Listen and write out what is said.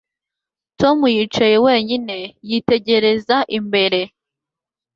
Tom yicaye wenyine yitegereza imbere